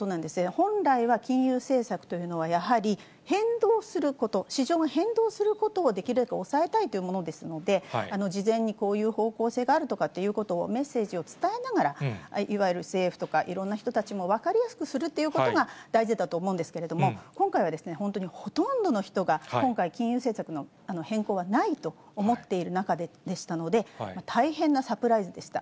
本来は金融政策というのは、やはり変動すること、市場が変動することをできるだけ抑えたいというものですので、事前にこういう方向性があるということをメッセージを伝えながら、いわゆる政府とかいろんな人たちに分かりやすくするということが大事だと思うんですけれども、今回は本当にほとんどの人が、今回、金融政策の変更はないと思っている中でしたので、大変なサプライズでした。